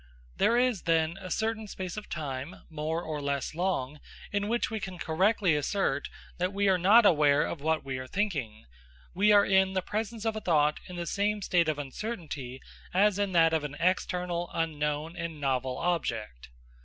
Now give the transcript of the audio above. There is, then, a certain space of time, more or less long, in which we can correctly assert that we are not aware of what we are thinking; we are in the presence of a thought in the same state of uncertainty as in that of an external, unknown, and novel object.